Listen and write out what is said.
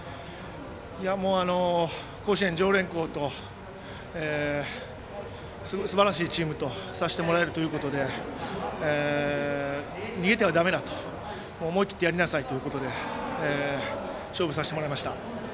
もう、甲子園常連校とすばらしいチームとさせてもらえるということで逃げてはだめだと思い切ってやりなさいということで勝負させてもらいました。